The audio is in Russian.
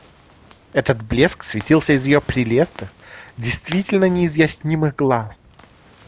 Этот блеск светился из ее прелестных, действительно неизъяснимых глаз.